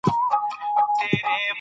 قومونه د افغانانو ژوند اغېزمن کوي.